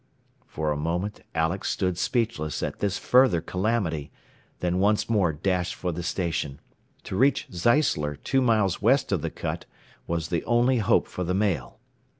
For a moment Alex stood speechless at this further calamity, then once more dashed for the station. To reach Zeisler, two miles west of the cut, was the only hope for the Mail.